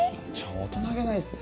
大人げないっすよ。